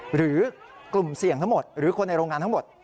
หรือกลุ่มเสี่ยงทั้งหมดหรือคนในโรงงานทั้งหมด